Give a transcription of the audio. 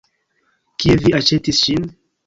Kie vi aĉetis ŝin?